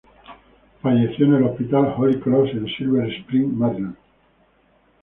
Falleció en el Hospital Holy Cross, en Silver Spring, Maryland.